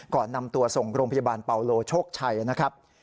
ก่อนนำตัวส่งโรงพยาบาลเปาโลโชคชัยนะครับ